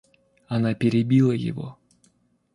Она перебила его.